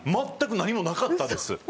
全く何もなかったです。